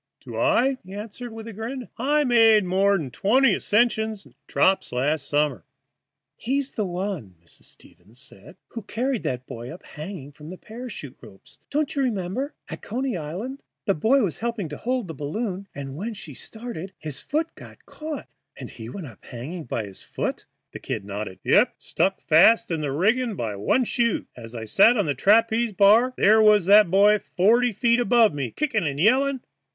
"Do I?" he answered, with a grin. "I made more'n twenty ascensions and drops last summer." "He's the one," said Mrs. Stevens, "who carried that boy up hanging from the parachute ropes. Don't you remember? At Coney Island? The boy was helping hold the balloon, and when she started his foot got caught." "And he went up hanging by his foot?" The "Kid" nodded. "Yep, stuck fast in the rigging by one shoe. As I sat on the trapeze bar there was that boy forty feet above me kicking and yelling.